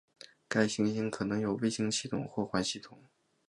该行星可能有卫星系统或环系统。